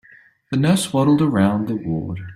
The nurse waddled around the ward.